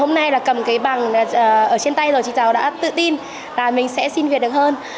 hôm nay là cầm cái bằng ở trên tay rồi chị cháu đã tự tin là mình sẽ xin việc được hơn